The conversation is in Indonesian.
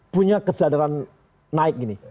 punya kesadaran naik